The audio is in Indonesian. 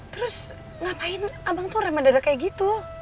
terus ngapain abang tuh remandadak kayak gitu